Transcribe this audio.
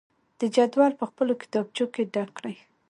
د جدول په خپلو کتابچو کې ډک کړئ.